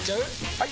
・はい！